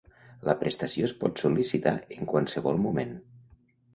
La prestació es pot sol·licitar en qualsevol moment.